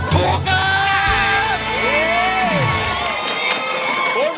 ถูกครับ